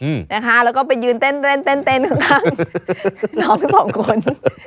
ครับไปถึงสายปลาแล้วก็ไปยืนเต้นขวางข้างหนาวสองคน